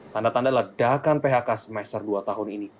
tanda tanda ledakan phk semester dua tahun ini